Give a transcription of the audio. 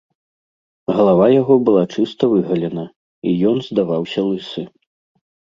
Галава яго была чыста выгалена, і ён здаваўся лысы.